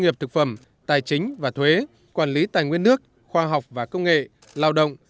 nghiệp thực phẩm tài chính và thuế quản lý tài nguyên nước khoa học và công nghệ lao động